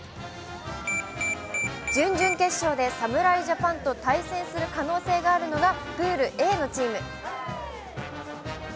準々決勝で侍ジャパンと対戦する可能性があるのがプールＡのチーム。